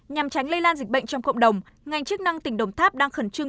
nhằm tránh lây lan dịch bệnh trong cộng đồng ngành chức năng tỉnh đồng tháp đang khẩn trương